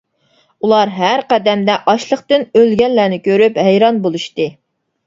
ئۇلار ھەر قەدەمدە ئاچلىقتىن ئۆلگەنلەرنى كۆرۈپ ھەيران بولۇشتى.